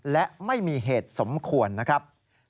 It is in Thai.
และไม่มีเหตุสมควรนะครับ